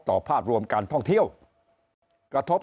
ภาพรวมการท่องเที่ยวกระทบ